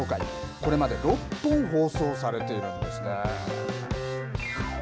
これまで６本放送されているんですね。